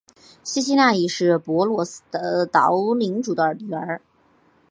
西西莉亚是帕罗斯岛领主的女儿。